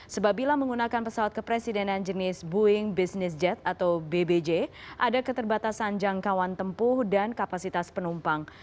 sebab bila menggunakan pesawat kepresidenan jenis boeing business jet atau bbj ada keterbatasan jangkauan tempuh dan kapasitas penumpang